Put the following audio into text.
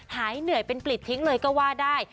หายเหนื่อยเป็นกลิดทิ้งเลยก็ว่าได้